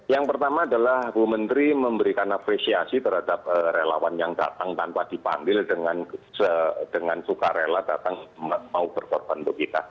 yang pertama adalah bu menteri memberikan apresiasi terhadap relawan yang datang tanpa dipanggil dengan suka rela datang mau berkorban untuk kita